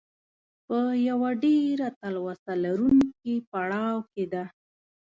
په یوه ډېره تلوسه لرونکي پړاو کې ده.